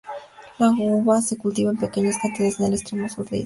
La uva se cultiva en pequeñas cantidades en el extremo sur de la isla.